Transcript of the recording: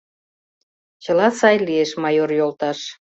Чыла сай лиеш, майор йолташ!